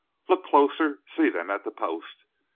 "Look closer! See them at the post.